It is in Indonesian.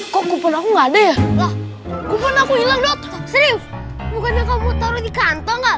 kok kumpul aku enggak ada ya